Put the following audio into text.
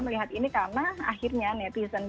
melihat ini karena akhirnya netizen